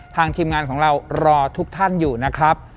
ทีมงานของเรารอทุกท่านอยู่นะครับ